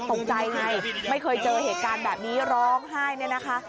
ตกใจไงไม่เคยเจอเหตุการณ์แบบนี้ร้องไห้เนี่ยนะคะ